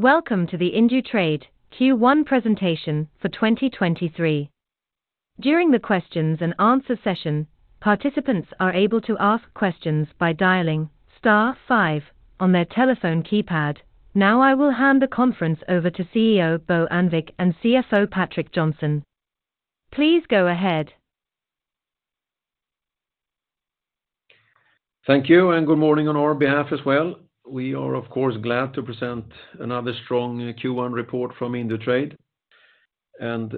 Welcome to the Indutrade Q1 presentation for 2023. During the questions and answer session, participants are able to ask questions by dialing star five on their telephone keypad. I will hand the conference over to CEO Bo Annvik and CFO Patrik Johnson. Please go ahead. Thank you. Good morning on our behalf as well. We are, of course, glad to present another strong Q1 report from Indutrade.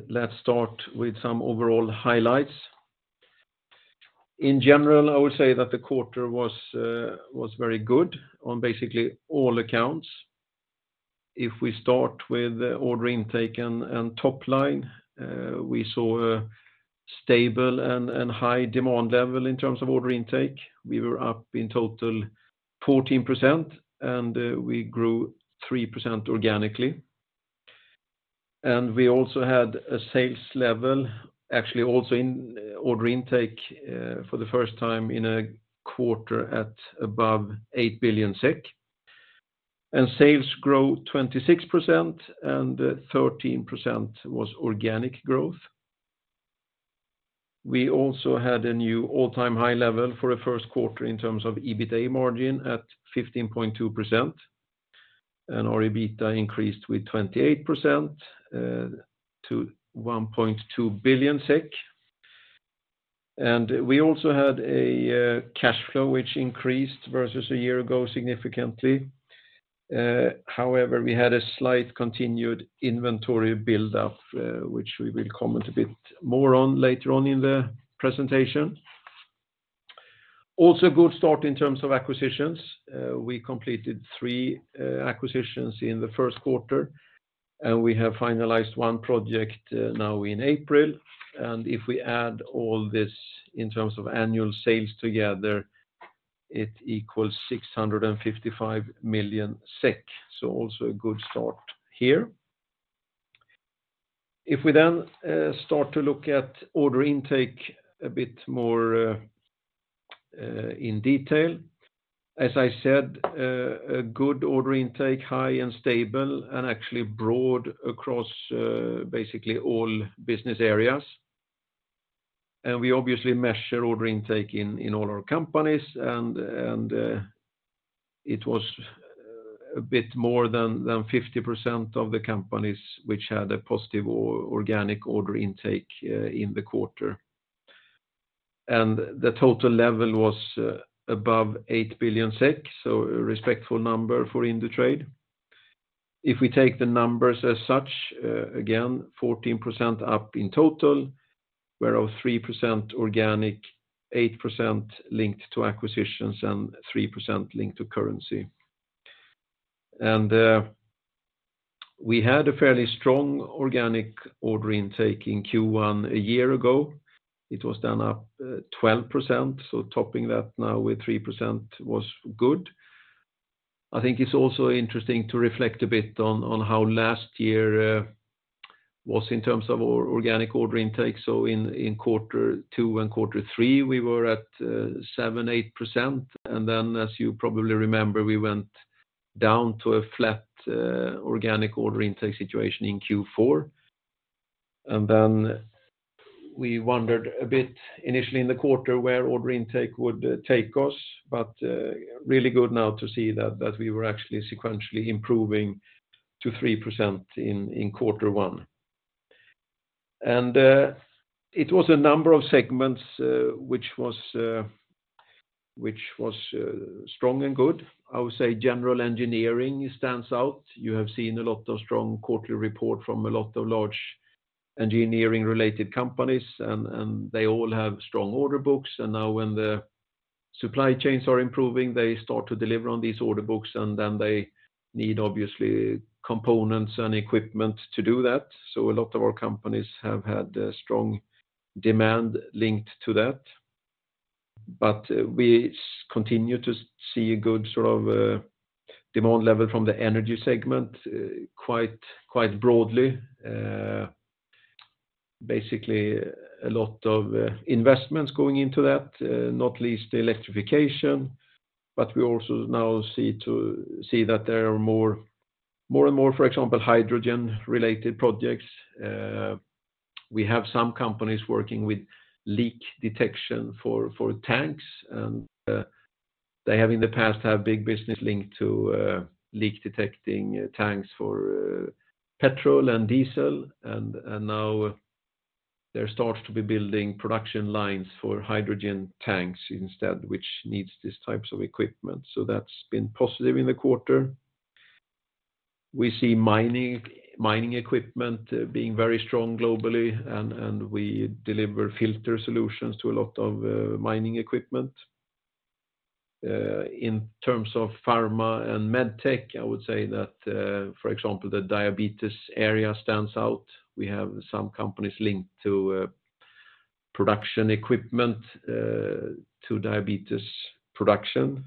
Let's start with some overall highlights. In general, I would say that the quarter was very good on basically all accounts. If we start with order intake and top line, we saw a stable and high demand level in terms of order intake. We were up in total 14%, we grew 3% organically. We also had a sales level, actually also in order intake, for the first time in a quarter at above 8 billion SEK. Sales grew 26% and 13% was organic growth. We also had a new all-time high level for the first quarter in terms of EBITA margin at 15.2%. Our EBITA increased with 28% to 1.2 billion SEK. We also had a cash flow which increased versus a year ago significantly. However, we had a slight continued inventory build-up, which we will comment a bit more on later on in the presentation. Also a good start in terms of acquisitions. We completed three acquisitions in the first quarter, and we have finalized one project now in April. If we add all this in terms of annual sales together, it equals 655 million SEK. Also a good start here. If we start to look at order intake a bit more in detail, as I said, a good order intake, high and stable, and actually broad across basically all business areas. We obviously measure order intake in all our companies, it was a bit more than 50% of the companies which had a positive or organic order intake in the quarter. The total level was above 8 billion SEK, so a respectful number for Indutrade. If we take the numbers as such, again, 14% up in total, where of 3% organic, 8% linked to acquisitions, and 3% linked to currency. We had a fairly strong organic order intake in Q1 a year ago. It was then up 12%, so topping that now with 3% was good. I think it's also interesting to reflect a bit on how last year was in terms of organic order intake. In Q2 and Q3, we were at 7%-8%. As you probably remember, we went down to a flat organic order intake situation in Q4. We wondered a bit initially in the quarter where order intake would take us, but really good now to see that we were actually sequentially improving to 3% in Q1. It was a number of segments which was strong and good. I would say general engineering stands out. You have seen a lot of strong quarterly report from a lot of large engineering-related companies, and they all have strong order books. Now when the supply chains are improving, they start to deliver on these order books, and then they need obviously components and equipment to do that. A lot of our companies have had a strong demand linked to that. We continue to see a good sort of, demand level from the energy segment, quite broadly. Basically a lot of investments going into that, not least electrification, but we also now see that there are more and more, for example, hydrogen related projects. We have some companies working with leak detection for tanks, and they have in the past big business linked to leak detecting tanks for petrol and diesel, and now they start to be building production lines for hydrogen tanks instead, which needs these types of equipment. That's been positive in the quarter. We see mining equipment being very strong globally and we deliver filter solutions to a lot of mining equipment. In terms of pharma and MedTech, I would say that, for example, the diabetes area stands out. We have some companies linked to production equipment, to diabetes production,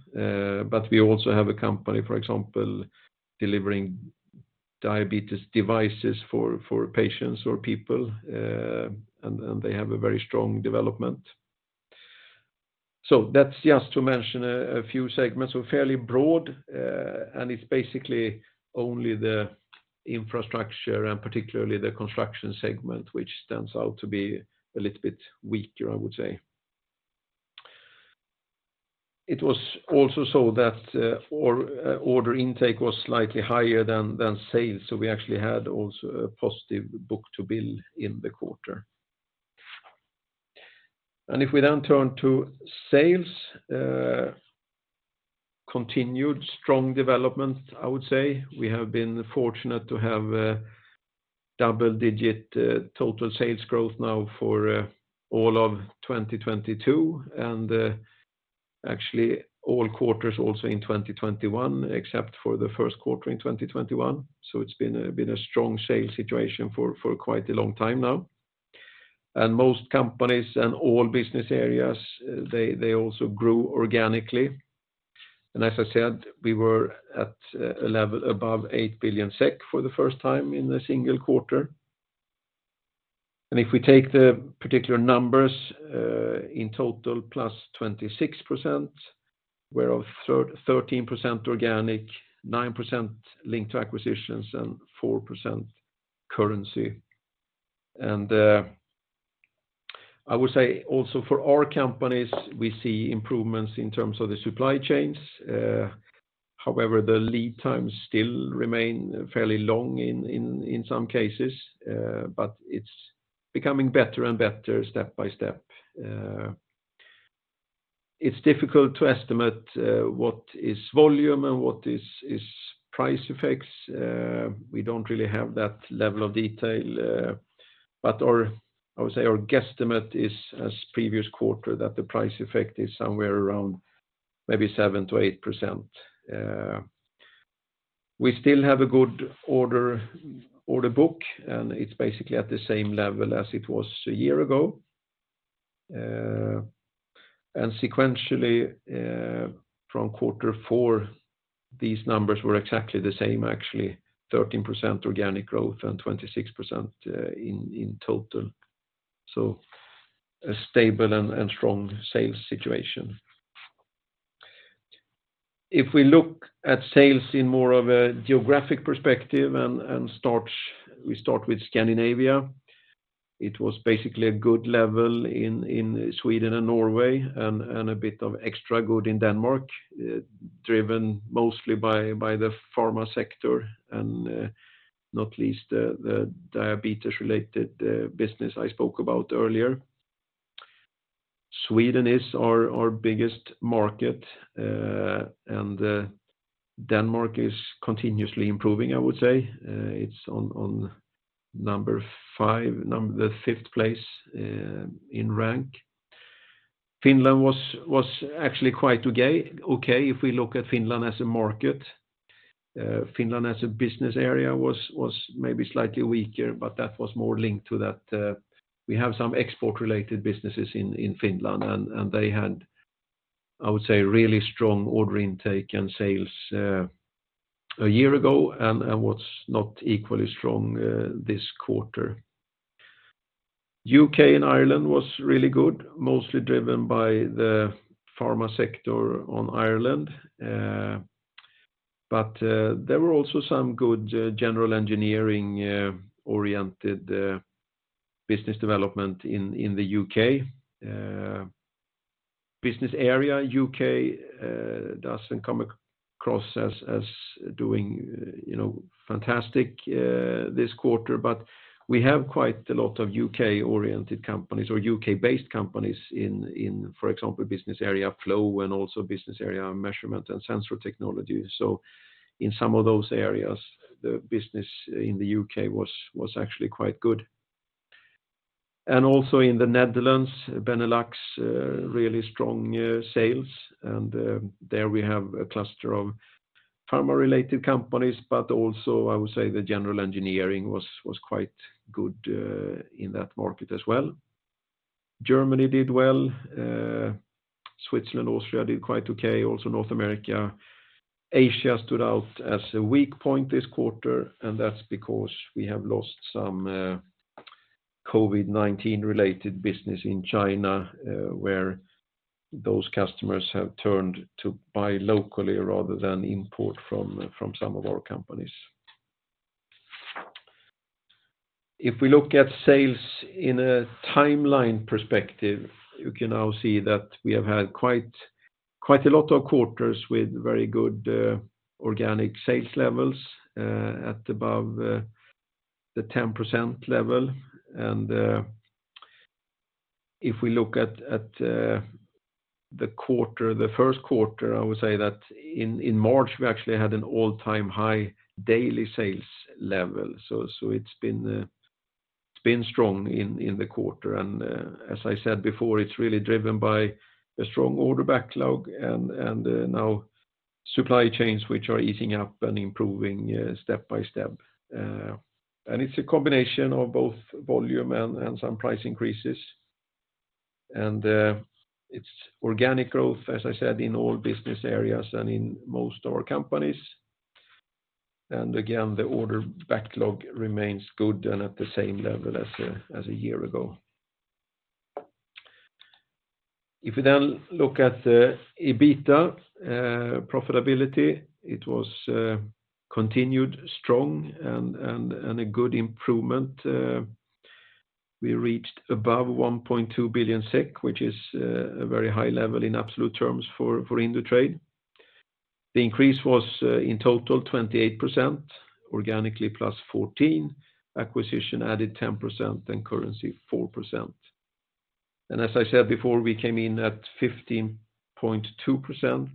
but we also have a company, for example, delivering diabetes devices for patients or people, and they have a very strong development. That's just to mention a few segments. We're fairly broad, and it's basically only the infrastructure and particularly the construction segment, which stands out to be a little bit weaker, I would say. It was also so that order intake was slightly higher than sales. We actually had also a positive book-to-bill in the quarter. If we then turn to sales, continued strong development, I would say. We have been fortunate to have double-digit total sales growth now for all of 2022, and actually all quarters also in 2021, except for the first quarter in 2021. It's been a strong sales situation for quite a long time now. Most companies and all business areas, they also grew organically. As I said, we were at a level above 8 billion SEK for the first time in a single quarter. If we take the particular numbers in total, +26%, whereof 13% organic, 9% linked to acquisitions and 4% currency. I would say also for our companies, we see improvements in terms of the supply chains. However, the lead times still remain fairly long in some cases, it's becoming better and better step by step. It's difficult to estimate what is volume and what is price effects. We don't really have that level of detail, I would say our guesstimate is as previous quarter that the price effect is somewhere around maybe 7%-8%. We still have a good order book, and it's basically at the same level as it was a year ago. Sequentially, from Q4, these numbers were exactly the same, actually 13% organic growth and 26% in total. A stable and strong sales situation. If we look at sales in more of a geographic perspective and we start with Scandinavia, it was basically a good level in Sweden and Norway, and a bit of extra good in Denmark, driven mostly by the pharma sector and not least the diabetes-related business I spoke about earlier. Sweden is our biggest market and Denmark is continuously improving, I would say. It's on number five, the fifth place in rank. Finland was actually quite okay, if we look at Finland as a market. Finland as a business area was maybe slightly weaker, but that was more linked to that we have some export related businesses in Finland, and they had, I would say, really strong order intake and sales a year ago and was not equally strong this quarter. U.K. and Ireland was really good, mostly driven by the pharma sector on Ireland. There were also some good general engineering oriented business development in the U.K. Business area U.K. doesn't come across as doing, you know, fantastic this quarter, but we have quite a lot of U.K.-oriented companies or U.K.-based companies in, for example, business area Flow and also business area Measurement & Sensor Technology. In some of those areas, the business in the U.K. was actually quite good. Also in the Netherlands, Benelux, really strong sales. There we have a cluster of pharma related companies, but also I would say the general engineering was quite good in that market as well. Germany did well. Switzerland, Austria did quite okay, also North America. Asia stood out as a weak point this quarter, and that's because we have lost some COVID-19 related business in China, where those customers have turned to buy locally rather than import from some of our companies. If we look at sales in a timeline perspective, you can now see that we have had quite a lot of quarters with very good organic sales levels at above the 10% level. If we look at the quarter, the first quarter, I would say that in March, we actually had an all-time high daily sales level. It's been strong in the quarter. As I said before, it's really driven by a strong order backlog and now supply chains which are easing up and improving step by step. It's a combination of both volume and some price increases. It's organic growth, as I said, in all business areas and in most of our companies. Again, the order backlog remains good and at the same level as a year ago. If we look at the EBITDA profitability, it was continued strong and a good improvement. We reached above 1.2 billion SEK, which is a very high level in absolute terms for Indutrade. The increase was in total 28%, organically +14%, acquisition added 10%, and currency 4%. As I said before, we came in at 15.2%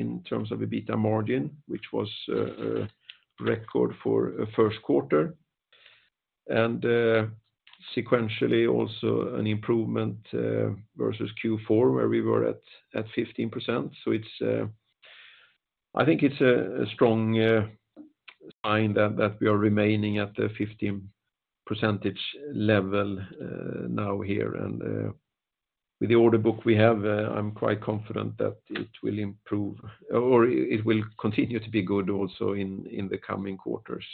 in terms of EBITDA margin, which was a record for a first quarter. Sequentially also an improvement versus Q4, where we were at 15%. I think it's a strong sign that we are remaining at the 15% level now here. With the order book we have, I'm quite confident that it will improve or it will continue to be good also in the coming quarters.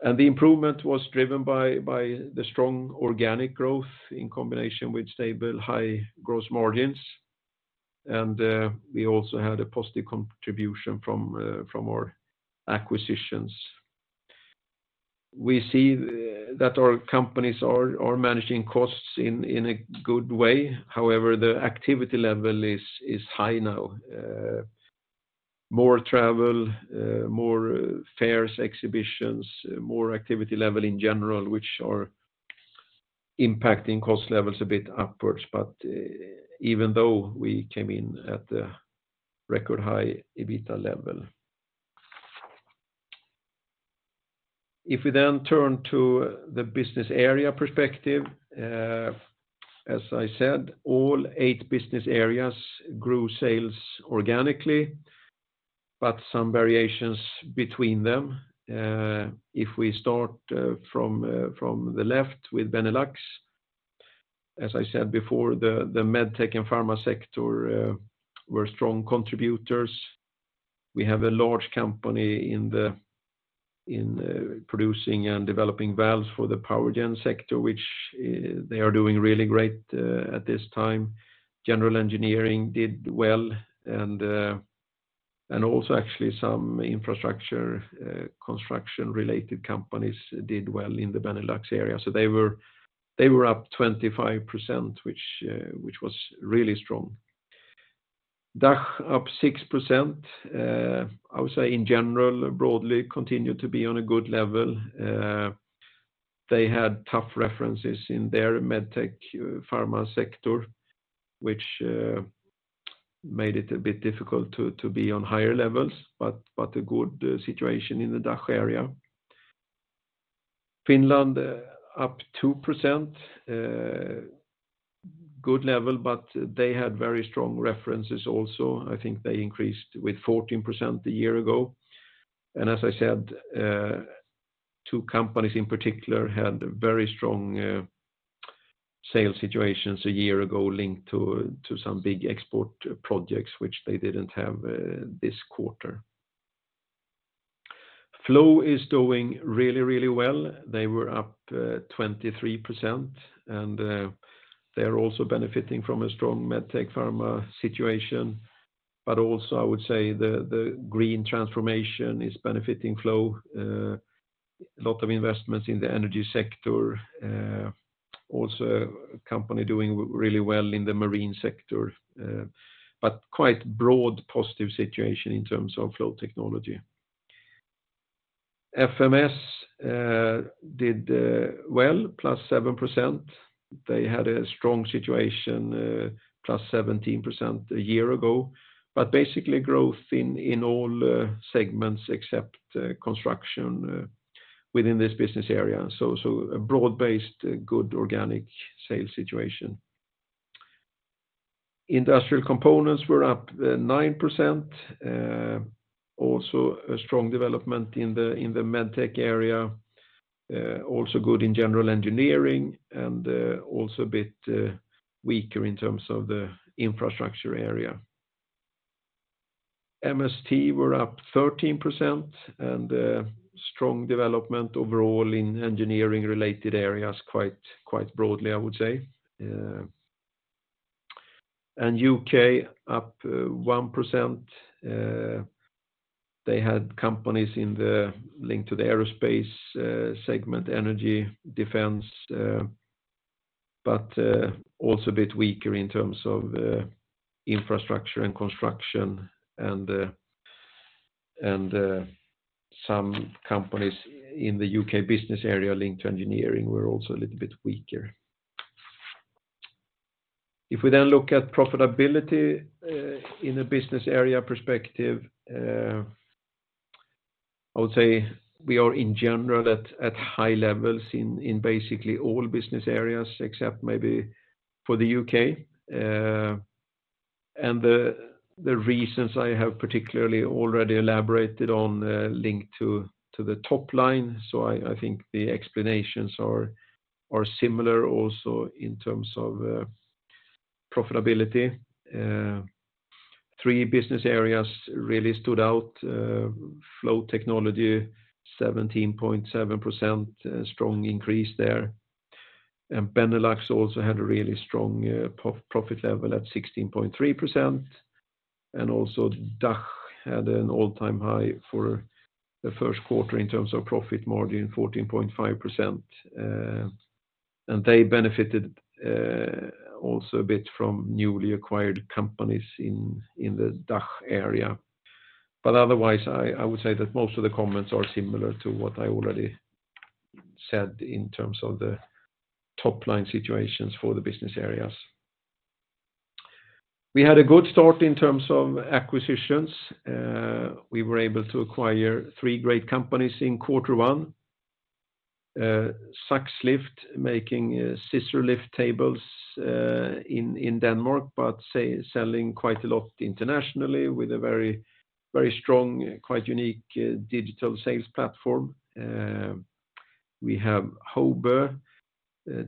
The improvement was driven by the strong organic growth in combination with stable high gross margins. We also had a positive contribution from our acquisitions. We see that our companies are managing costs in a good way. However, the activity level is high now. More travel, more fares, exhibitions, more activity level in general, which are impacting cost levels a bit upwards. Even though we came in at a record high EBITDA level. We turn to the business area perspective, as I said, all eight business areas grew sales organically, but some variations between them. If we start from the left with Benelux, as I said before, the med tech and pharma sector were strong contributors. We have a large company in the, in producing and developing valves for the power gen sector, which they are doing really great at this time. General engineering did well and also actually some infrastructure construction-related companies did well in the Benelux area. They were, they were up 25%, which was really strong. DACH up 6%. I would say in general, broadly continued to be on a good level. They had tough references in their MedTech Pharma sector, which made it a bit difficult to be on higher levels, but a good situation in the DACH area. Finland up 2%, good level. They had very strong references also. I think they increased with 14% a year ago. As I said, two companies in particular had very strong sales situations a year ago linked to some big export projects, which they didn't have this quarter. Flow is doing really, really well. They were up 23%, and they are also benefiting from a strong MedTech Pharma situation. Also I would say the green transformation is benefiting Flow. A lot of investments in the energy sector. Also a company doing really well in the marine sector, but quite broad positive situation in terms of Flow Technology. FMS did well, +7%. They had a strong situation, +17% a year ago, but basically growth in all segments except construction within this business area. A broad-based good organic sales situation. Industrial Components were up 9%. Also a strong development in the MedTech area. Also good in general engineering and also a bit weaker in terms of the infrastructure area. MST were up 13% and strong development overall in engineering-related areas quite broadly, I would say. U.K. up 1%. They had companies in the link to the aerospace segment, energy, defense, also a bit weaker in terms of infrastructure and construction. Some companies in the U.K. business area linked to engineering were also a little bit weaker. If we then look at profitability in a business area perspective, I would say we are in general at high levels in basically all business areas except maybe for the U.K.. The reasons I have particularly already elaborated on, linked to the top line. I think the explanations are similar also in terms of Profitability. Three business areas really stood out. Flow Technology, 17.7%, a strong increase there. Benelux also had a really strong profit level at 16.3%. Also DACH had an all-time high for the first quarter in terms of profit margin, 14.5%. They benefited also a bit from newly acquired companies in the DACH area. Otherwise, I would say that most of the comments are similar to what I already said in terms of the top line situations for the business areas. We had a good start in terms of acquisitions. We were able to acquire three great companies in quarter one. Sax Lift, making scissor lift tables in Denmark, but selling quite a lot internationally with a very, very strong, quite unique digital sales platform. We have Hobe,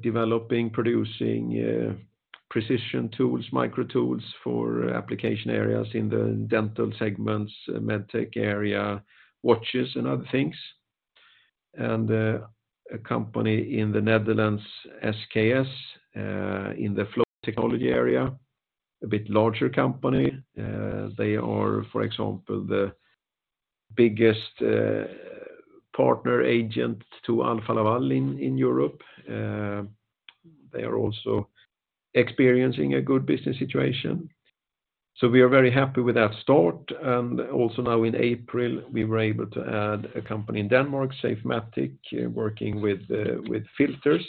developing, producing precision tools, micro tools for application areas in the dental segments, MedTech area, watches and other things. A company in the Netherlands, SKS, in the Flow Technology area, a bit larger company. They are, for example, the biggest partner agent to Alfa Laval in Europe. They are also experiencing a good business situation. We are very happy with that start. Also now in April, we were able to add a company in Denmark, Safematic, working with filters.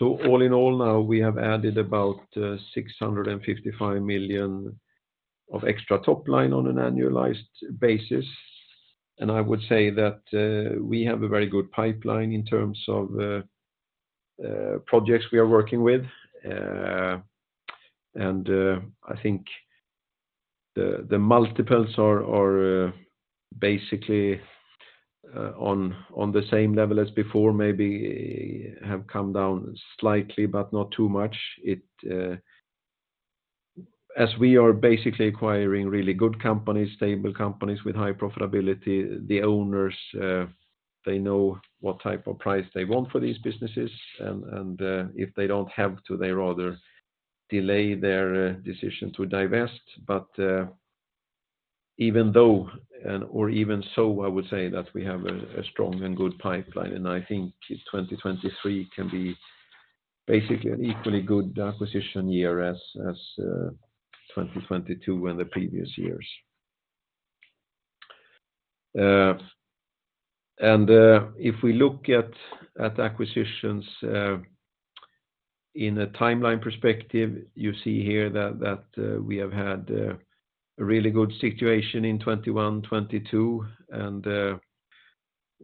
All in all now, we have added about 655 million of extra top line on an annualized basis. I would say that we have a very good pipeline in terms of projects we are working with. I think the multiples are basically on the same level as before, maybe have come down slightly, but not too much. As we are basically acquiring really good companies, stable companies with high profitability, the owners, they know what type of price they want for these businesses. If they don't have to, they rather delay their decision to divest. Even though, or even so, I would say that we have a strong and good pipeline, and I think 2023 can be basically an equally good acquisition year as 2022 and the previous years. And if we look at acquisitions in a timeline perspective, you see here that we have had a really good situation in 2021, 2022, and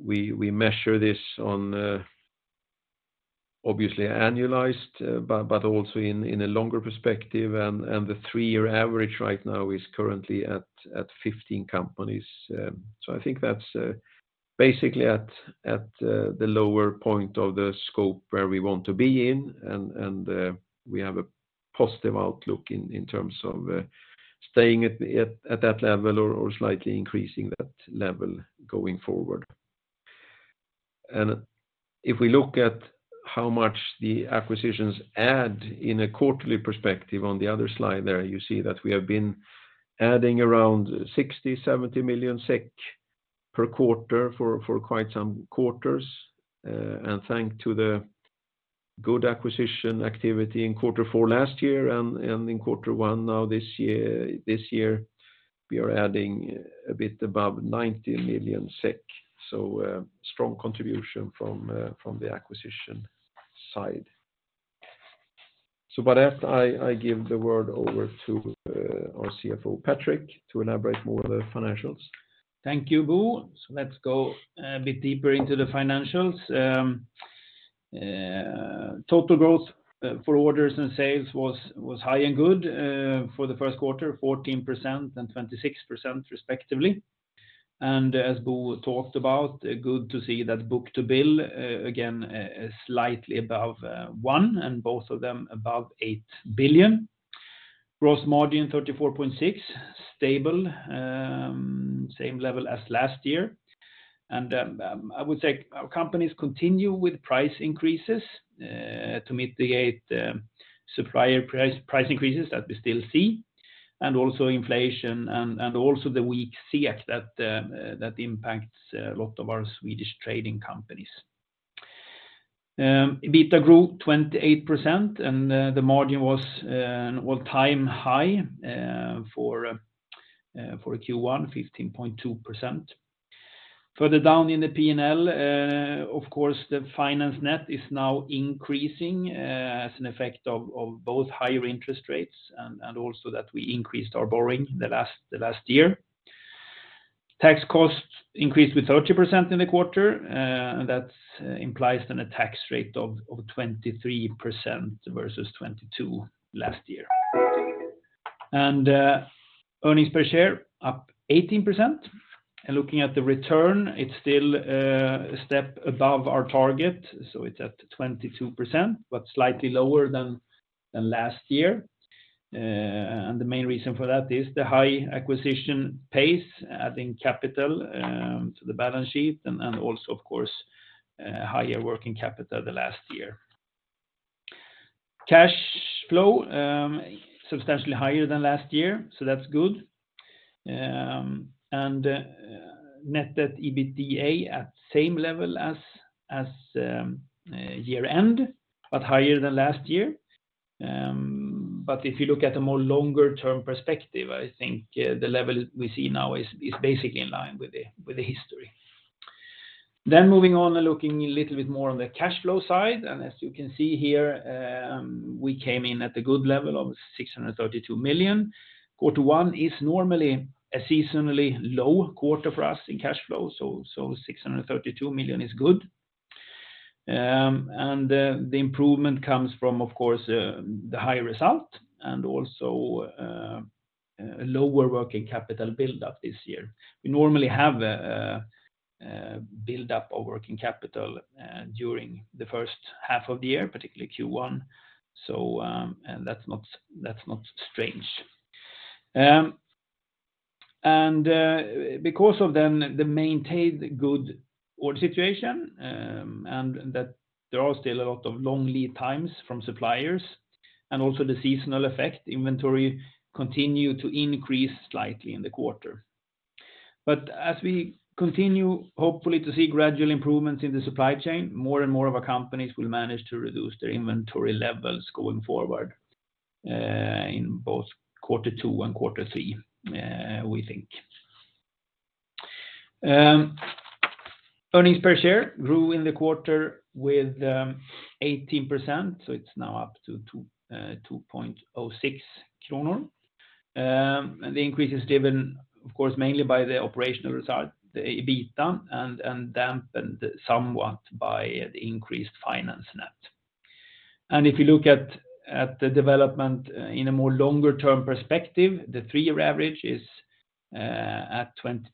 we measure this on obviously annualized, but also in a longer perspective. The three-year average right now is currently at 15 companies. I think that's basically at the lower point of the scope where we want to be in, we have a positive outlook in terms of staying at that level or slightly increasing that level going forward. If we look at how much the acquisitions add in a quarterly perspective on the other slide there, you see that we have been adding around 60, 70 million SEK per quarter for quite some quarters. Thanks to the good acquisition activity in quarter four last year and in quarter one now this year, we are adding a bit above 90 million SEK. Strong contribution from the acquisition side. With that, I give the word over to our CFO, Patrik, to elaborate more on the financials. Thank you, Bo. Let's go a bit deeper into the financials. Total growth for orders and sales was high and good for the first quarter, 14% and 26% respectively. As Bo talked about, good to see that book-to-bill again slightly above one, and both of them above 8 billion. Gross margin 34.6%, stable, same level as last year. I would say our companies continue with price increases to mitigate supplier price increases that we still see, and also inflation and also the weak SEK that impacts a lot of our Swedish trading companies. EBITDA grew 28%, and the margin was an all-time high for Q1, 15.2%. Further down in the P&L, of course, the finance net is now increasing, as an effect of both higher interest rates and also that we increased our borrowing the last year. Tax costs increased with 30% in the quarter, that implies then a tax rate of 23% versus 22% last year. Earnings per share up 18%. Looking at the return, it's still a step above our target, so it's at 22%, but slightly lower than last year. The main reason for that is the high acquisition pace, adding capital to the balance sheet and also of course, higher working capital the last year. Cash flow, substantially higher than last year, so that's good. net debt/EBITDA at same level as year-end, higher than last year. If you look at a more longer-term perspective, I think the level we see now is basically in line with the history. Moving on and looking a little bit more on the cash flow side. As you can see here, we came in at a good level of 632 million. Q1 is normally a seasonally low quarter for us in cash flow, so 632 million is good. The improvement comes from, of course, the high result and also lower working capital buildup this year. We normally have a buildup of working capital during the first half of the year, particularly Q1. That's not, that's not strange. Because of then the maintained good order situation, and that there are still a lot of long lead times from suppliers and also the seasonal effect, inventory continued to increase slightly in the quarter. As we continue, hopefully, to see gradual improvements in the supply chain, more and more of our companies will manage to reduce their inventory levels going forward, in both quarter two and quarter three, we think. Earnings per share grew in the quarter with 18%, it's now up to 2.06 kronor. The increase is driven, of course, mainly by the operational result, the EBITDA, and dampened somewhat by the increased finance net. If you look at the development, in a more longer-term perspective, the three-year average is at 22%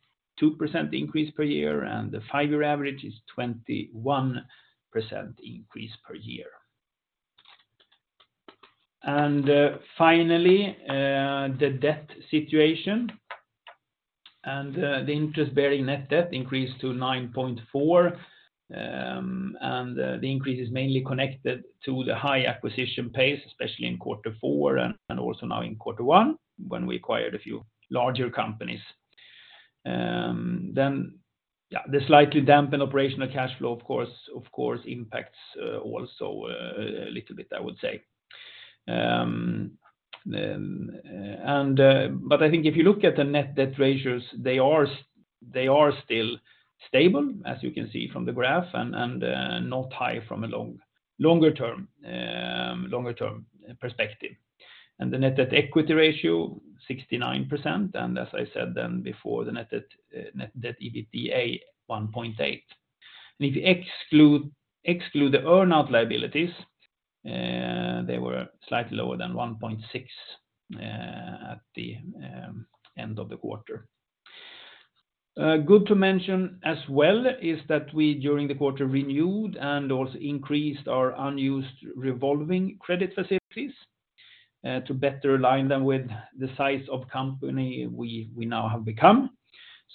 increase per year, the five-year average is 21% increase per year. Finally, the debt situation. The interest bearing net debt increased to 9.4, and the increase is mainly connected to the high acquisition pace, especially in quarter four and also now in quarter one, when we acquired a few larger companies. Yeah, the slightly dampened operational cash flow, of course impacts also a little bit, I would say. I think if you look at the net debt ratios, they are still stable, as you can see from the graph, and not high from a longer term perspective. The net debt-to-equity ratio, 69%. As I said then before, the net debt/EBITDA, 1.8. If you exclude the earn-out liabilities, they were slightly lower than 1.6 at the end of the quarter. Good to mention as well is that we, during the quarter, renewed and also increased our unused revolving credit facilities to better align them with the size of company we now have become.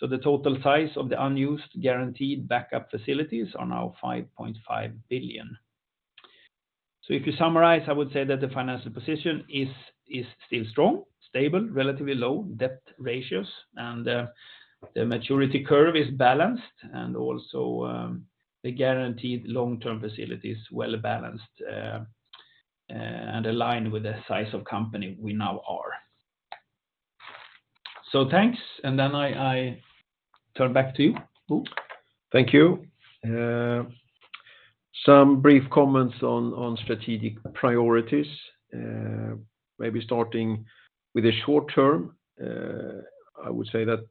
The total size of the unused guaranteed backup facilities are now 5.5 billion. If you summarize, I would say that the financial position is still strong, stable, relatively low debt ratios, and the maturity curve is balanced, and also the guaranteed long-term facility is well-balanced and aligned with the size of company we now are. Thanks. I turn back to you, Bo. Thank you. Some brief comments on strategic priorities. Maybe starting with the short term. I would say that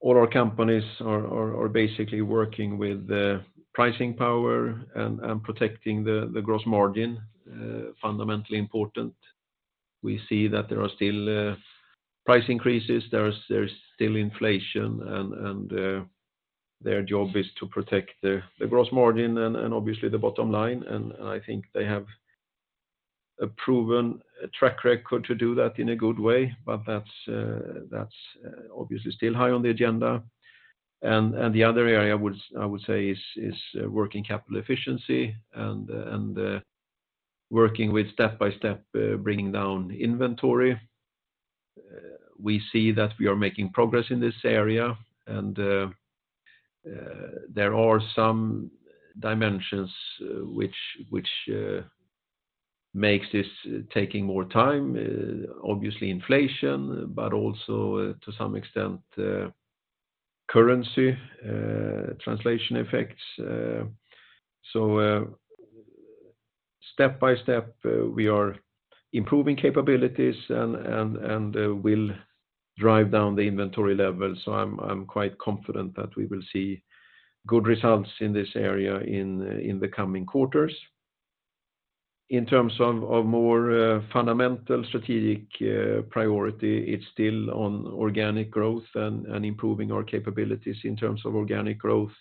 all our companies are basically working with the pricing power and protecting the gross margin, fundamentally important. We see that there are still price increases, there is still inflation, and their job is to protect the gross margin and obviously the bottom line. I think they have a proven track record to do that in a good way, but that's obviously still high on the agenda. The other area I would say is working capital efficiency and working with step by step, bringing down inventory. We see that we are making progress in this area, there are some dimensions which, makes this taking more time, obviously inflation, but also to some extent, currency translation effects. Step by step, we are improving capabilities and, and, we'll drive down the inventory levels. I'm quite confident that we will see good results in this area in the coming quarters. In terms of more, fundamental strategic, priority, it's still on organic growth and improving our capabilities in terms of organic growth,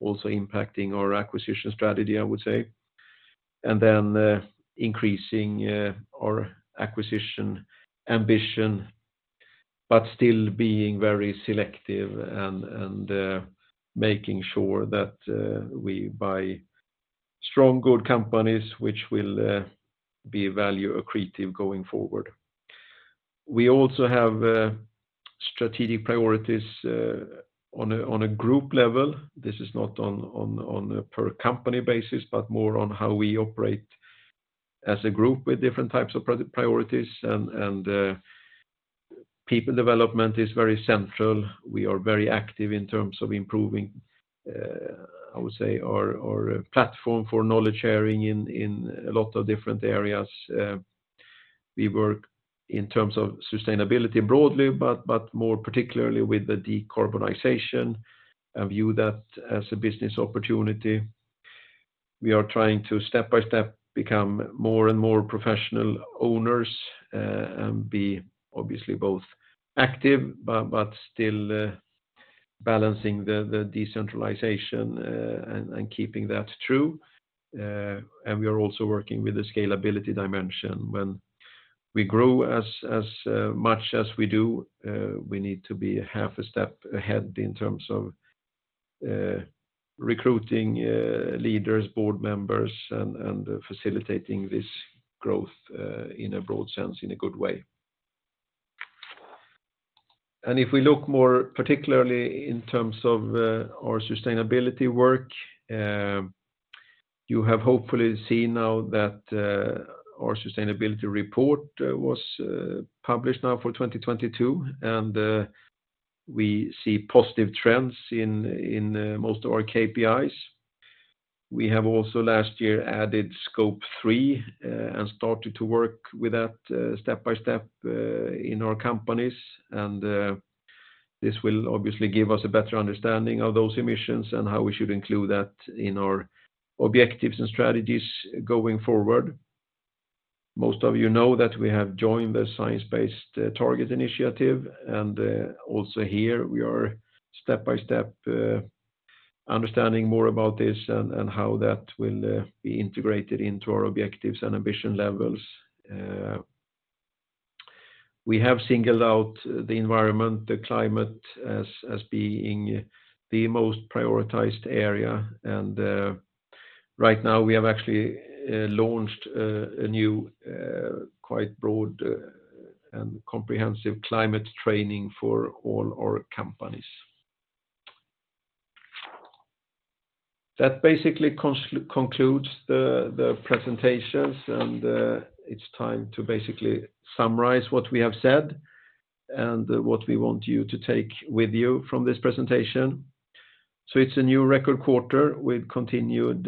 also impacting our acquisition strategy, I would say. Then, increasing, our acquisition ambition, but still being very selective and, making sure that, we buy strong good companies which will, be value accretive going forward. We also have strategic priorities on a group level. This is not on a per company basis, but more on how we operate as a group with different types of priorities and people development is very central. We are very active in terms of improving, I would say our platform for knowledge sharing in a lot of different areas. We work in terms of sustainability broadly, but more particularly with the decarbonization, and view that as a business opportunity. We are trying to step by step become more and more professional owners, and be obviously both active, but still balancing the decentralization, and keeping that true. We are also working with the scalability dimension. When we grow as much as we do, we need to be half a step ahead in terms of recruiting leaders, board members, and facilitating this growth in a broad sense, in a good way. If we look more particularly in terms of our sustainability work, you have hopefully seen now that our sustainability report was published now for 2022, and we see positive trends in most of our KPIs. We have also last year added Scope 3 and started to work with that step-by-step in our companies. This will obviously give us a better understanding of those emissions and how we should include that in our objectives and strategies going forward. Most of you know that we have joined the Science Based Targets initiative. Also here, we are step by step understanding more about this and how that will be integrated into our objectives and ambition levels. We have singled out the environment, the climate, as being the most prioritized area. Right now, we have actually launched a new, quite broad, and comprehensive climate training for all our companies. That basically concludes the presentations. It's time to basically summarize what we have said and what we want you to take with you from this presentation. It's a new record quarter with continued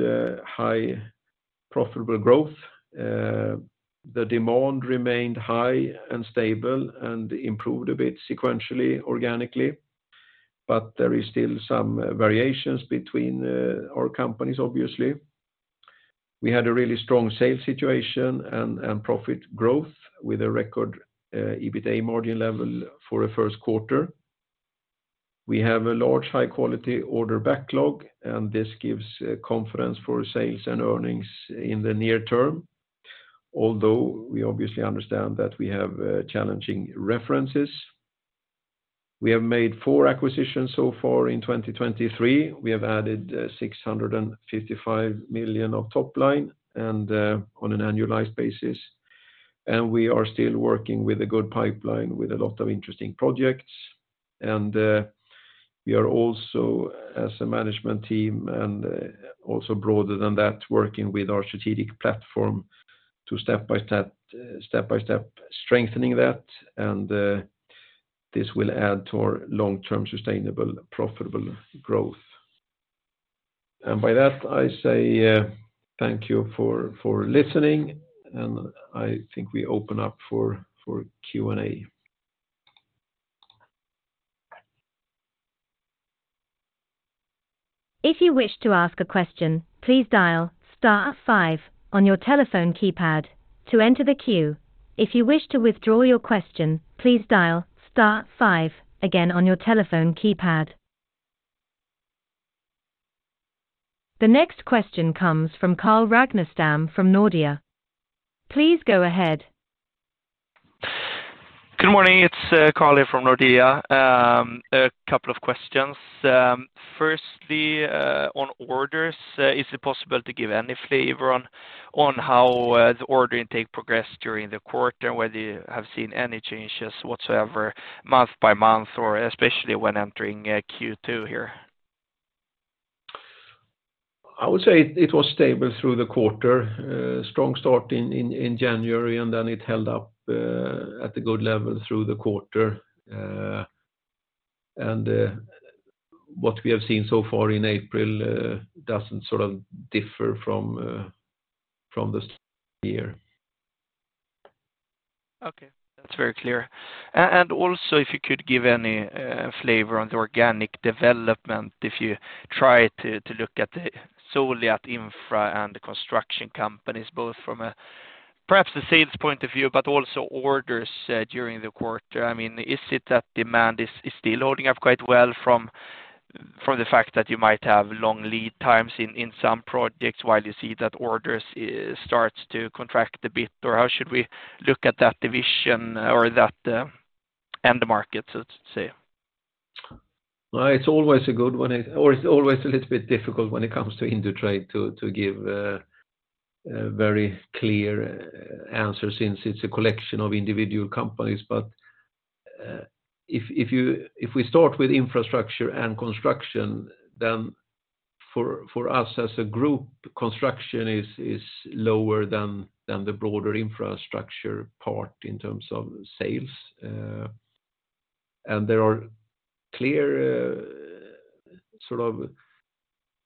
high profitable growth. The demand remained high and stable and improved a bit sequentially, organically, but there is still some variations between our companies, obviously. We had a really strong sales situation and profit growth with a record, EBITA margin level for a first quarter. We have a large, high-quality order backlog, and this gives confidence for sales and earnings in the near term, although we obviously understand that we have challenging references. We have made four acquisitions so far in 2023. We have added 655 million of top line and on an annualized basis. We are still working with a good pipeline with a lot of interesting projects. We are also as a management team and also broader than that, working with our strategic platform to step by step strengthening that, and this will add to our long-term sustainable profitable growth. by that, I say, thank you for listening, and I think we open up for Q&A. If you wish to ask a question, please dial star five on your telephone keypad to enter the queue. If you wish to withdraw your question, please dial star five again on your telephone keypad. The next question comes from Carl Ragnerstam from Nordea. Please go ahead. Good morning. It's Carl here from Nordea. A couple of questions. Firstly, on orders, is it possible to give any flavor on how the order intake progressed during the quarter, whether you have seen any changes whatsoever month by month, or especially when entering Q2 here? I would say it was stable through the quarter. Strong start in January, then it held up at a good level through the quarter. What we have seen so far in April doesn't sort of differ from this year. Okay, that's very clear. Also, if you could give any flavor on the organic development, if you try to look at the solely at infra and the construction companies, both from a perhaps a sales point of view, but also orders during the quarter. I mean, is it that demand is still holding up quite well from the fact that you might have long lead times in some projects while you see that orders starts to contract a bit? Or how should we look at that division or that end market, let's say? It's always a good one or it's always a little bit difficult when it comes to Indutrade to give a very clear answer since it's a collection of individual companies. If we start with infrastructure and construction, then for us as a group, construction is lower than the broader infrastructure part in terms of sales. There are clear sort of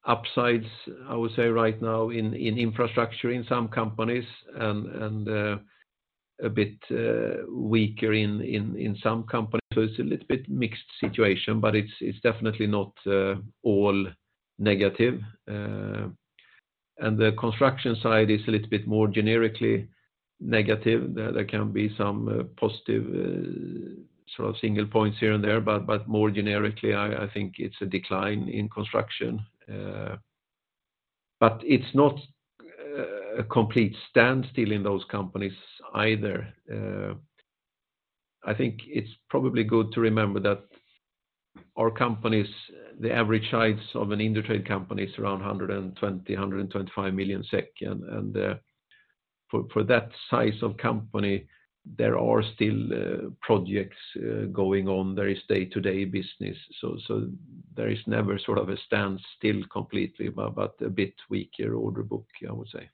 upsides, I would say right now in infrastructure in some companies and a bit weaker in some companies. It's a little bit mixed situation, but it's definitely not all negative. The construction side is a little bit more generically negative. There can be some positive sort of single points here and there, but more generically, I think it's a decline in construction. It's not a complete standstill in those companies either. I think it's probably good to remember that our companies, the average size of an Indutrade company is around 120-125 million SEK. For that size of company, there are still projects going on. There is day-to-day business. There is never sort of a standstill completely, but a bit weaker order book, I would say.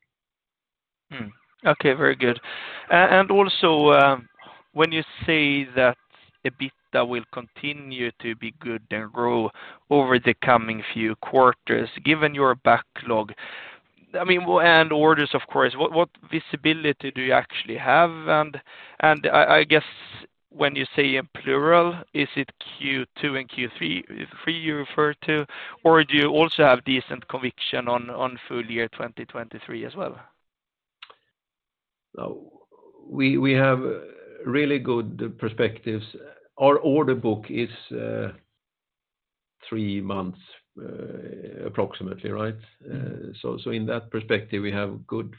Okay. Very good. Also, when you say that EBITDA will continue to be good and grow over the coming few quarters, given your backlog, I mean, and orders of course, what visibility do you actually have? I guess when you say in plural, is it Q2 and Q3, is it three you refer to, or do you also have decent conviction on full year 2023 as well? No, we have really good perspectives. Our order book is three months approximately, right? In that perspective, we have good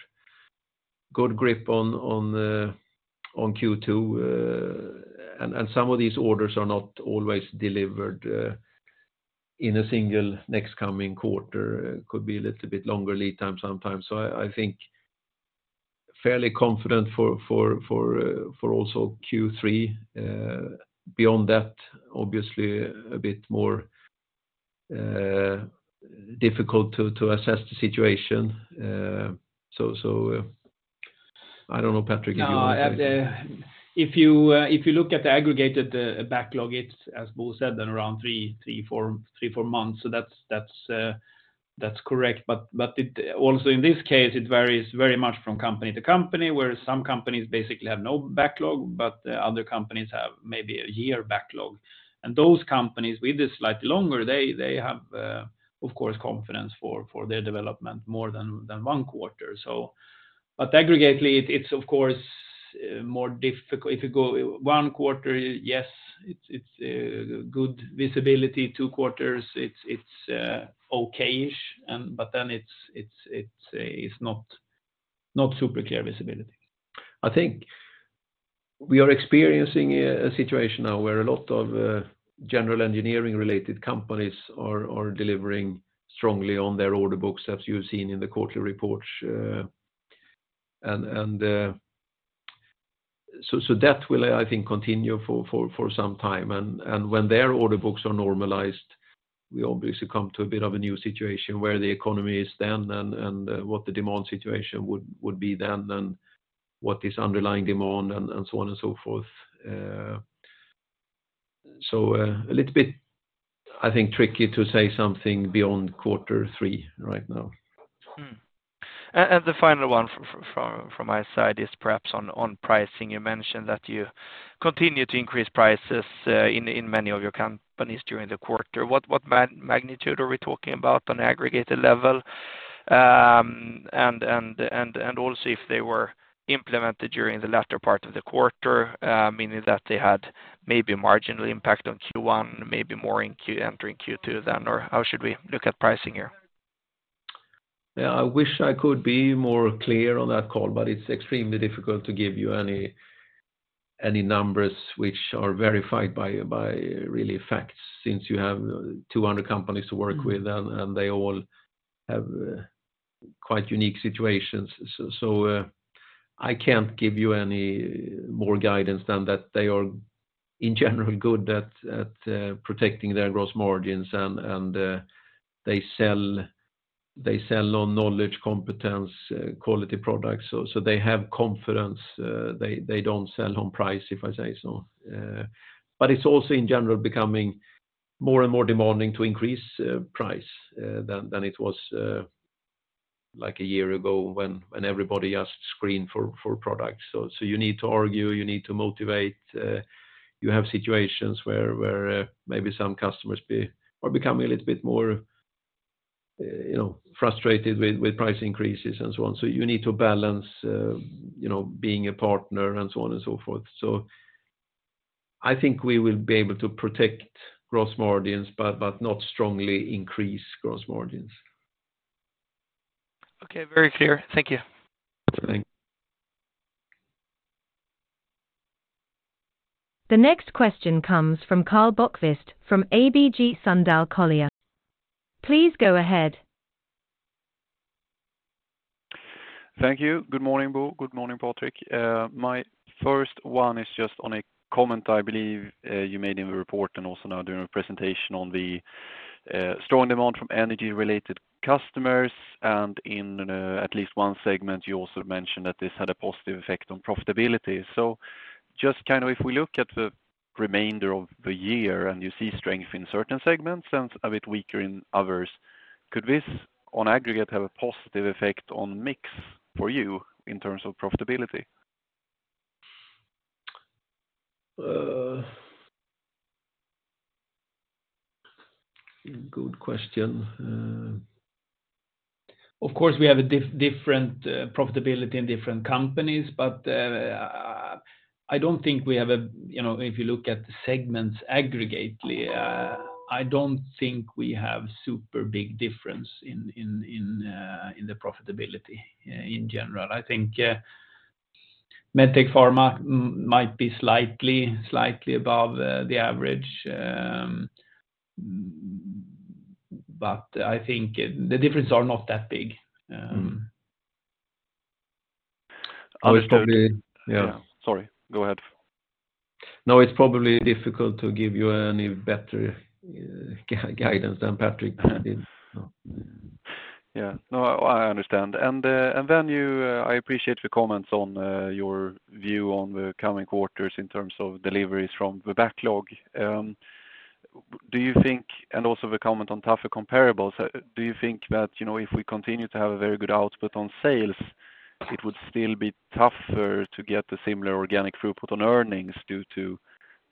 grip on Q2. Some of these orders are not always delivered in a single next coming quarter. Could be a little bit longer lead time sometimes. I think fairly confident for also Q3. Beyond that, obviously a bit more difficult to assess the situation. I don't know, Patrik, if you want to add to that. If you look at the aggregated backlog, it's as Bo said, around three-four months. That's correct. It also in this case, it varies very much from company to company, where some companies basically have no backlog, but other companies have maybe a one year backlog. Those companies with a slightly longer, they have of course confidence for their development more than one quarter. Aggregately it's of course more difficult. If you go one quarter, yes, it's good visibility. Two quarters, it's okay-ish. It's not super clear visibility. I think we are experiencing a situation now where a lot of general engineering related companies are delivering strongly on their order books as you've seen in the quarterly reports. That will, I think, continue for some time. When their order books are normalized, we obviously come to a bit of a new situation where the economy is then and what the demand situation would be then and what is underlying demand and so on and so forth. A little bit, I think, tricky to say something beyond quarter three right now. The final one from my side is perhaps on pricing. You mentioned that you continue to increase prices in many of your companies during the quarter. What magnitude are we talking about on aggregated level? And also if they were implemented during the latter part of the quarter, meaning that they had maybe a marginal impact on Q1, maybe more entering Q2 then, or how should we look at pricing here? Yeah, I wish I could be more clear on that call, but it's extremely difficult to give you any numbers which are verified by really facts, since you have 200 companies to work with and they all have quite unique situations. I can't give you any more guidance than that. They are, in general, good at protecting their gross margins and they sell on knowledge, competence, quality products. they have confidence, they don't sell on price, if I say so. but it's also in general becoming more and more demanding to increase price than it was like a year ago when everybody just screened for products. You need to argue, you need to motivate, you have situations where maybe some customers are becoming a little bit more, you know, frustrated with price increases and so on. You need to balance, you know, being a partner and so on and so forth. I think we will be able to protect gross margins, but not strongly increase gross margins. Okay. Very clear. Thank you. Thanks. The next question comes from Karl Bokvist from ABG Sundal Collier. Please go ahead. Thank you. Good morning, Bo. Good morning, Patrik. My first one is just on a comment I believe you made in the report and also now during the presentation on the strong demand from energy related customers, and in at least one segment, you also mentioned that this had a positive effect on profitability. Just kind of if we look at the remainder of the year and you see strength in certain segments and a bit weaker in others, could this on aggregate have a positive effect on mix for you in terms of profitability? Good question. Of course, we have a different profitability in different companies, but you know, if you look at the segments aggregately, I don't think we have super big difference in the profitability in general. I think MedTech Pharma might be slightly above the average. I think the differences are not that big. Understood. I was probably... Yeah. Sorry, go ahead. It's probably difficult to give you any better guidance than Patrik did. Yeah. No, I understand. Then you, I appreciate the comments on your view on the coming quarters in terms of deliveries from the backlog. And also the comment on tougher comparables, do you think that, you know, if we continue to have a very good output on sales, it would still be tougher to get the similar organic throughput on earnings due to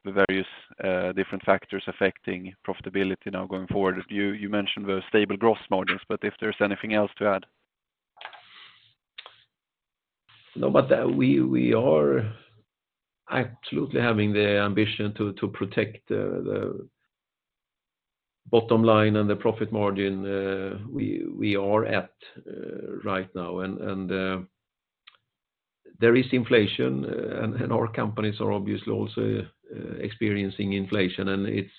the various, different factors affecting profitability now going forward? You mentioned the stable gross margins, if there's anything else to add? We are absolutely having the ambition to protect the bottom line and the profit margin we are at right now. There is inflation, and our companies are obviously also experiencing inflation, and it's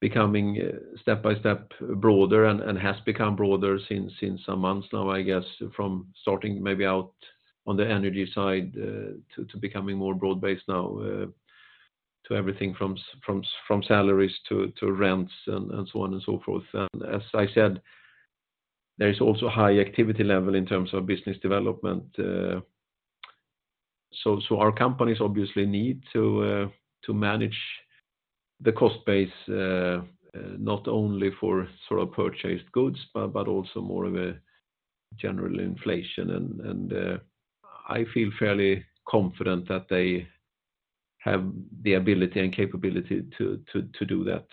becoming step by step broader and has become broader since some months now, I guess, from starting maybe out on the energy side to becoming more broad-based now to everything from salaries to rents and so on and so forth. As I said, there is also high activity level in terms of business development. So our companies obviously need to manage the cost base, not only for sort of purchased goods, but also more of a general inflation. I feel fairly confident that they have the ability and capability to do that.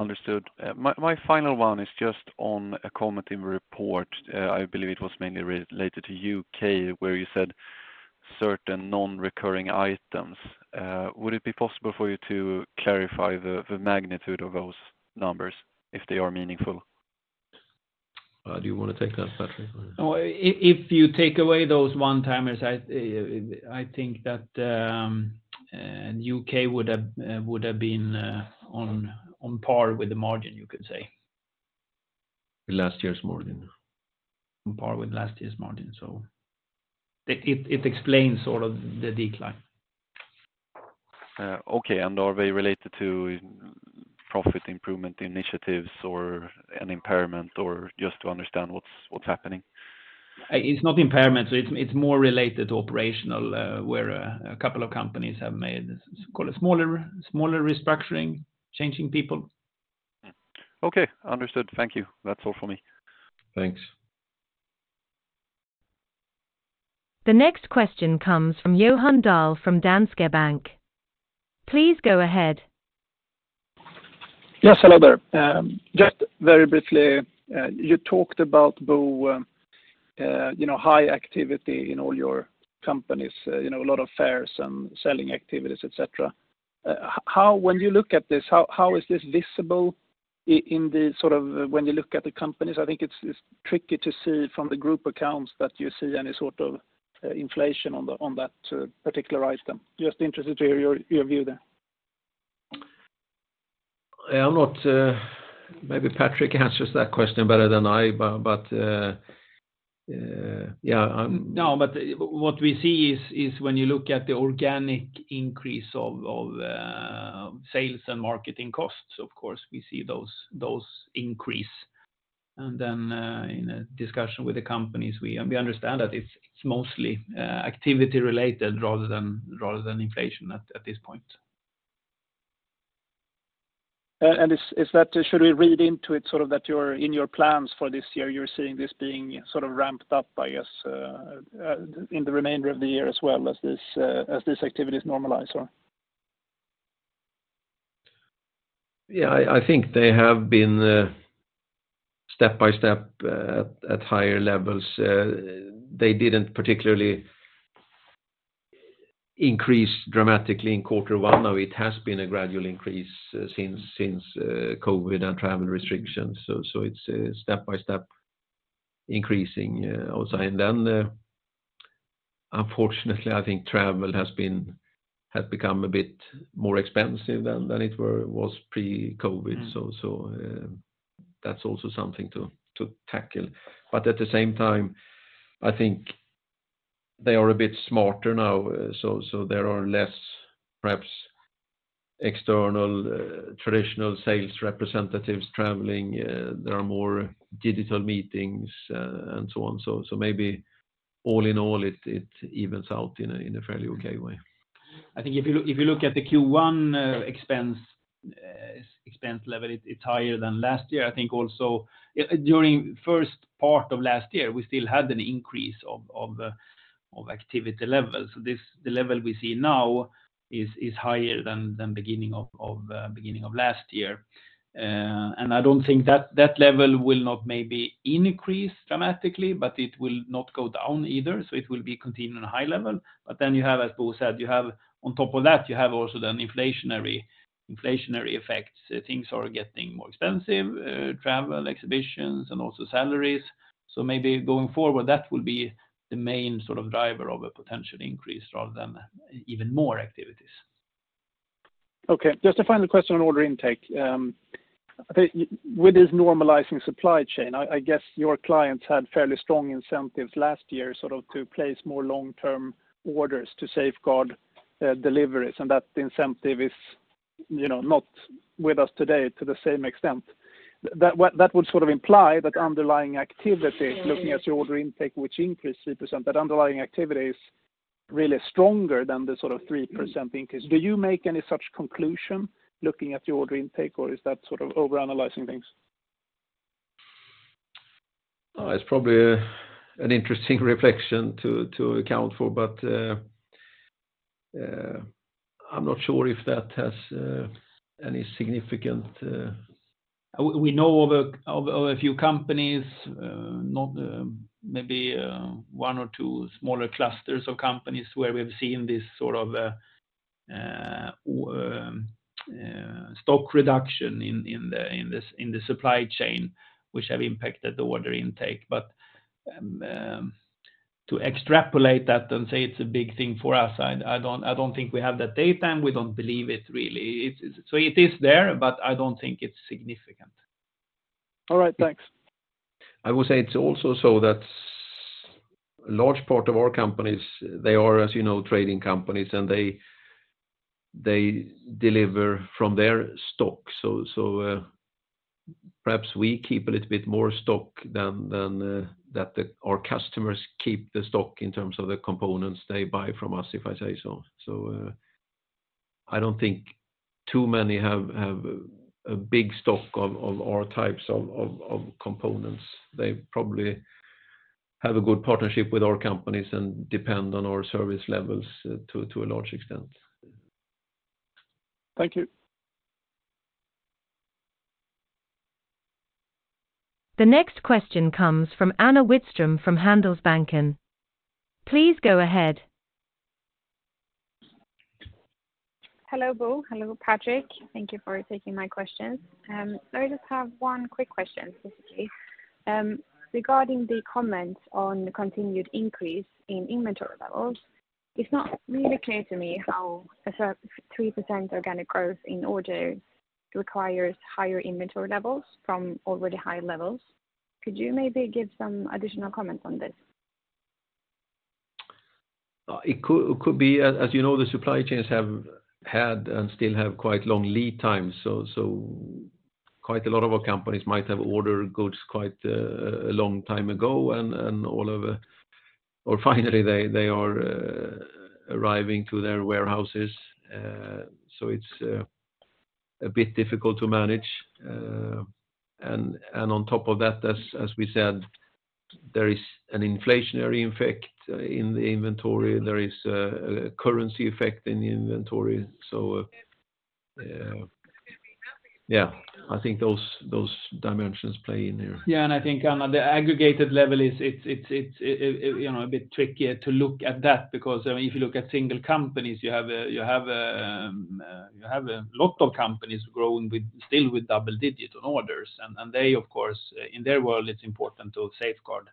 Understood. My final one is just on a comment in the report, I believe it was mainly related to U.K., where you said certain non-recurring items. Would it be possible for you to clarify the magnitude of those numbers, if they are meaningful? Do you want to take that, Patrik? If you take away those one-timers, I think that U.K. would have been on par with the margin, you could say. Last year's margin. On par with last year's margin. It explains all of the decline. okay. Are they related to profit improvement initiatives or an impairment or just to understand what's happening? It's not impairment. It's more related to operational, where a couple of companies have made call it smaller restructuring, changing people. Okay. Understood. Thank you. That's all for me. Thanks. The next question comes from Johan Dahl from Danske Bank. Please go ahead. Yes. Hello there. Just very briefly, you talked about Bo, you know, high activity in all your companies, you know, a lot of fairs and selling activities, etc. How when you look at this, how is this visible in the sort of when you look at the companies? I think it's tricky to see from the group accounts that you see any sort of inflation on the, on that particular item. Just interested to hear your view there. I'm not. Maybe Patrik answers that question better than I, but yeah. What we see is when you look at the organic increase of sales and marketing costs, of course, we see those increase. Then, in a discussion with the companies, we understand that it's mostly activity related rather than inflation at this point. Is that Should we read into it sort of that in your plans for this year, you're seeing this being sort of ramped up, I guess, in the remainder of the year as well as this, as this activity is normalized or? Yeah, I think they have been step by step at higher levels. They didn't particularly increase dramatically in quarter one, now it has been a gradual increase since COVID and travel restrictions. So it's step by step increasing also. Unfortunately, I think travel has become a bit more expensive than it was pre-COVID. Mm. That's also something to tackle. At the same time, I think they are a bit smarter now, so there are less, perhaps, external, traditional sales representatives traveling. There are more digital meetings, and so on. Maybe all in all, it evens out in a fairly okay way. I think if you look at the Q1 expense level, it's higher than last year. I think also during first part of last year, we still had an increase of activity levels. The level we see now is higher than beginning of last year. I don't think that level will not maybe increase dramatically, but it will not go down either. It will be continued on a high level. You have, as Bo said, on top of that, you have also the inflationary effects. Things are getting more expensive, travel, exhibitions, and also salaries. Maybe going forward, that will be the main sort of driver of a potential increase rather than even more activities. Just a final question on order intake. I think with this normalizing supply chain, I guess your clients had fairly strong incentives last year, sort of to place more long-term orders to safeguard deliveries, and that the incentive is, you know, not with us today to the same extent. That would sort of imply that underlying activity, looking at your order intake, which increased 3%, that underlying activity is really stronger than the sort of 3% increase. Do you make any such conclusion looking at the order intake, or is that sort of overanalyzing things? It's probably an interesting reflection to account for, but I'm not sure if that has any significant... We know of a few companies, not, maybe, one or two smaller clusters of companies where we've seen this sort of stock reduction in the supply chain, which have impacted the order intake. To extrapolate that and say it's a big thing for us, I don't think we have that data, and we don't believe it really. It is there, but I don't think it's significant. All right. Thanks. I would say it's also so that large part of our companies, they are, as you know, trading companies, and they deliver from their stock. Perhaps we keep a little bit more stock than our customers keep the stock in terms of the components they buy from us, if I say so. I don't think too many have a big stock of our types of components. They probably have a good partnership with our companies and depend on our service levels to a large extent. Thank you. The next question comes from Anna Widström from Handelsbanken. Please go ahead. Hello, Bo. Hello, Patrik. Thank you for taking my questions. I just have one quick question, basically. Regarding the comments on the continued increase in inventory levels, it's not really clear to me how a 3% organic growth in order requires higher inventory levels from already high levels. Could you maybe give some additional comments on this? Uh, it co-could be, as, as you know, the supply chains have had and still have quite long lead times. So, so quite a lot of our companies might have ordered goods quite, uh, a long time ago, and, and all over. Or finally, they, they are, uh, arriving to their warehouses. Uh, so it's, uh, a bit difficult to manage. Uh, and, and on top of that, as, as we said, there is an inflationary effect in the inventory. There is, uh, a currency effect in the inventory. So, uh, yeah, I think those, those dimensions play in there. I think, Anna, the aggregated level is, it's, you know, a bit trickier to look at that because, I mean, if you look at single companies, you have a lot of companies growing with, still with double digit on orders. They, of course, in their world, it's important to safeguard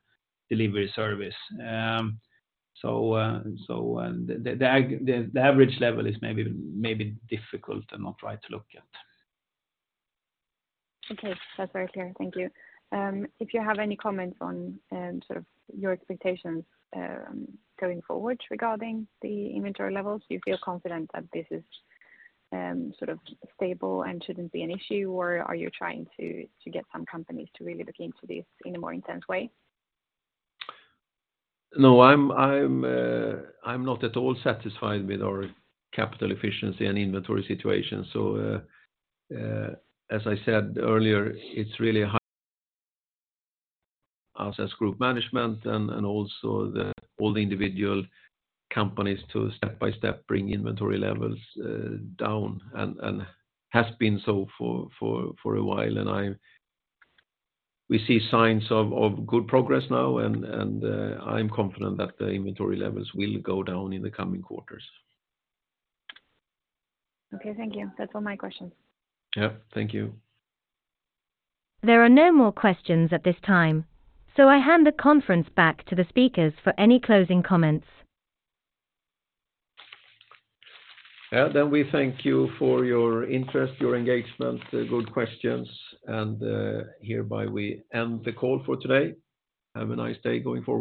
delivery service. The average level is maybe difficult and not right to look at. Okay. That's very clear. Thank you. If you have any comments on, sort of your expectations, going forward regarding the inventory levels, do you feel confident that this is, sort of stable and shouldn't be an issue, or are you trying to get some companies to really look into this in a more intense way? No, I'm not at all satisfied with our capital efficiency and inventory situation. As I said earlier, it's really hard as group management and also all the individual companies to step by step bring inventory levels down and has been so for a while. We see signs of good progress now, I'm confident that the inventory levels will go down in the coming quarters. Okay. Thank you. That's all my questions. Yeah. Thank you. There are no more questions at this time, so I hand the conference back to the speakers for any closing comments. Yeah. We thank you for your interest, your engagement, the good questions, and hereby we end the call for today. Have a nice day going forward.